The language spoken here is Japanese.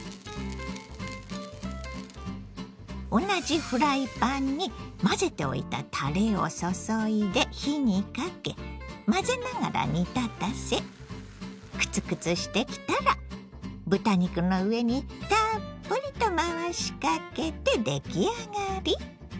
同じフライパンに混ぜておいたたれを注いで火にかけ混ぜながら煮立たせクツクツしてきたら豚肉の上にたっぷりと回しかけて出来上がり。